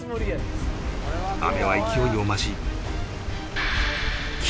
雨は勢いを増し